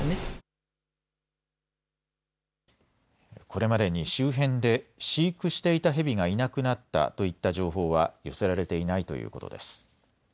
これまでに周辺で飼育していたヘビがいなくなったといった情報は寄せられていないということです。